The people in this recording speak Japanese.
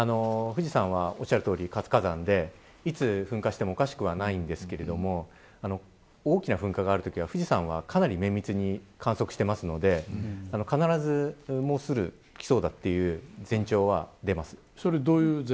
富士山はおっしゃるとおり活火山でいつ噴火してもおかしくはないんですが大きな噴火があるときは富士山は、かなり綿密に観測しているので必ず、もうすぐきそうだという前兆は出ます。